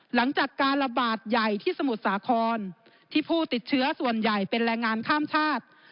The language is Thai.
หลังจากการระบาดใหญ่ที่สมุทรสาครที่ผู้ติดเชื้อส่วนใหญ่เป็นแรงงานข้ามชาติ